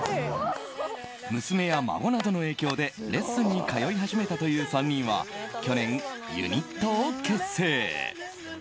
娘や孫などの影響でレッスンに通い始めたという３人は去年、ユニットを結成。